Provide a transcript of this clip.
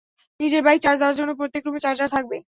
নিজের bike charge দেওয়ার জন্য প্রত্যক রুমে চার্জার থাকবে।